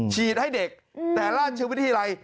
ฉีดให้เด็กแต่ราชวิตที่ไร